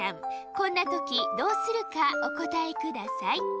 こんなときどうするかおこたえください。